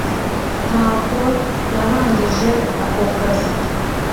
Ntabwo narangije ako kazi